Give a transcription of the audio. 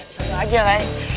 seru aja ray